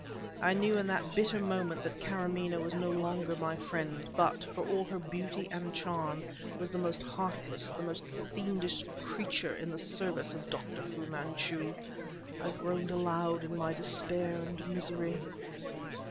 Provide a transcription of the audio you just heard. I knew in that bitter moment that Karamaneh was no longer my friend; but, for all her beauty and charm, was the most heartless, the most fiendish creature in the service of Dr. Fu Manchu. I groaned aloud in my despair and misery.